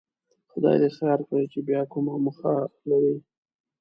خدای دې خیر کړي چې بیا کومه موخه لري.